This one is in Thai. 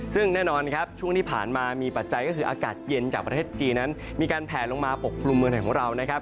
ซึ่งแน่นอนครับช่วงที่ผ่านมามีปัจจัยก็คืออากาศเย็นจากประเทศจีนนั้นมีการแผลลงมาปกครุมเมืองไทยของเรานะครับ